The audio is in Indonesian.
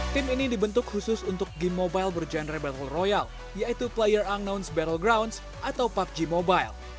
tim ini dibentuk khusus untuk game mobile berjenre battle royale yaitu player unknown's battlegrounds atau pubg mobile